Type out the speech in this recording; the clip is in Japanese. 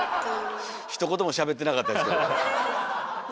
ひと言もしゃべってなかったですけども。